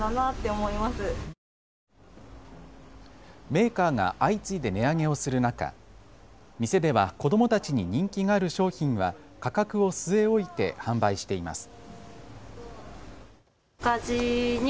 メーカーが相次いで値上げをする中、店では子どもたちに人気がある商品は価格を据え置いて販売しています。